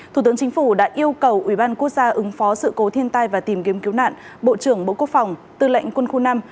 thủ tướng chính phủ đã yêu cầu ủy ban quốc gia ứng phó sự cố thiên tai và tìm kiếm cứu nạn bộ trưởng bộ quốc phòng tư lệnh quân khu năm